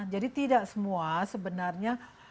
jadi tidak semua sebenarnya